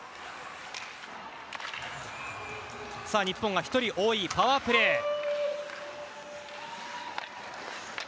日本が１人多い、パワープレー。